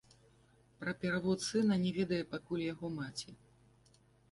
Пра перавод сына не ведае пакуль яго маці.